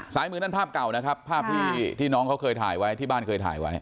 มือนั่นภาพเก่านะครับภาพที่น้องเขาเคยถ่ายไว้ที่บ้านเคยถ่ายไว้